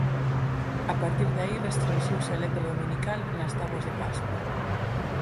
A partir de aí restrinxiuse a letra dominical nas táboas de Pascua.